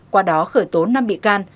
qua đó khởi tố năm bị can